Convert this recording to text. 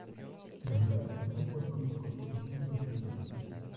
Sirleaf tuvo cuatro hijos y tiene ocho nietos.